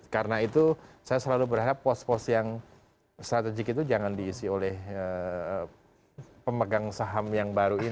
karena itu saya selalu berharap pos pos yang strategik itu jangan diisi oleh pemegang saham yang baru ini gitu